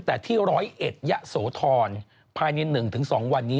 แต่ที่๑๐๑ยะโสธรภายใน๑๒วันนี้